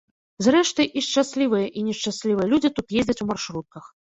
Зрэшты, і шчаслівыя, і нешчаслівыя людзі тут ездзяць у маршрутках.